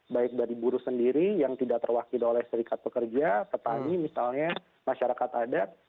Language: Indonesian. baik dari buruh sendiri yang tidak terwakili oleh serikat pekerja petani misalnya masyarakat adat